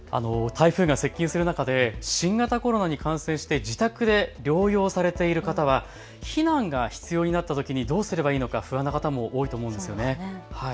台風が接近する中で新型コロナに感染して自宅で療養されている方は避難が必要になったときにどうすればいいのか不安な方も多いと思うんですよね。